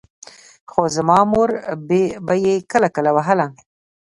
خو زما مور به يې کله کله وهله.